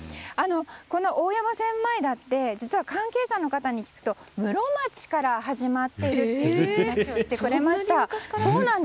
この大山千枚田って実は関係者の方に聞くと室町から始まっているという話をしてくれました。